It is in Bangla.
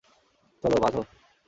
চলো, বাঁধো।